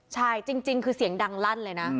ใช่จริงคือเสียงดังลั่นเลยนะ